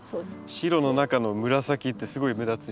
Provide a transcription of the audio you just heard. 白の中の紫ってすごい目立つし。